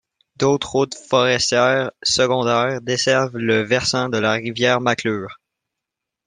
D’autres routes forestières secondaires desservent le versant de la rivière Maclure..